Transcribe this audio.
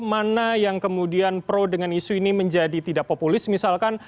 mana yang kemudian pro dengan isu ini menjadi tidak populis misalkan